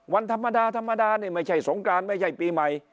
วันธรรมดานี่ไม่ใช่สงการไม่ใช่ปีใหม่